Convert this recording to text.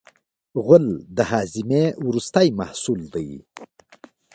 غول د هاضمې وروستی محصول دی.